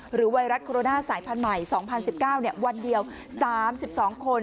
ไวรัสโคโรนาสายพันธุ์ใหม่๒๐๑๙วันเดียว๓๒คน